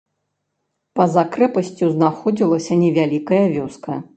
Па-за крэпасцю знаходзілася невялікая вёска.